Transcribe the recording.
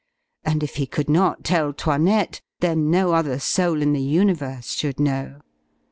And if he could not tell 'Toinette, then no other soul in the universe should know.